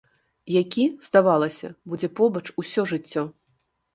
Які, здавалася, будзе побач усё жыццё.